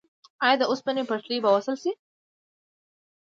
آیا د اوسپنې پټلۍ به وصل شي؟